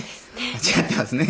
間違ってますね。